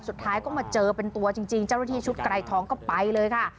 สุดท้ายก็มาเจอเป็นตัวจริงเจ้าหน้าที่ชุดไกรทองก็ไปเลยค่ะ